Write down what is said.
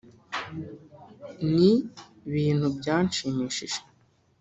Ni bintu byanshimishije